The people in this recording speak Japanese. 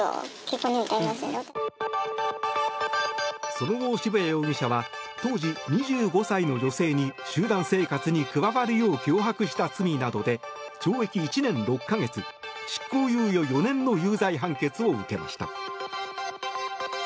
その後、渋谷容疑者は当時２５歳の女性に集団生活に加わるよう脅迫した罪などで懲役１年６か月、執行猶予４年の有罪判決を受けました。